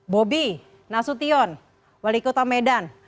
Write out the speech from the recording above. bobi nasution wali kota medan